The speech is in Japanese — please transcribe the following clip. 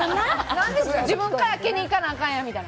何で自分から開けにいかなあかんのみたいな。